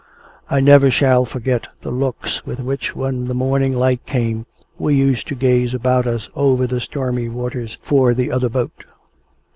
I never shall forget the looks with which, when the morning light came, we used to gaze about us over the stormy waters, for the other boat.